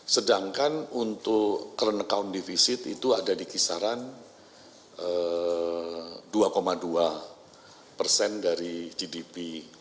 sedangkan untuk current account defisit itu ada di kisaran dua dua persen dari gdp